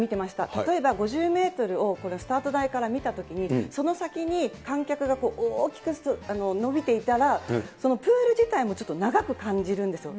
例えば、５０メートルをこれ、スタート台から見たときに、その先に観客が大きくのびていたら、そのプール自体もちょっと長く感じるんですよ。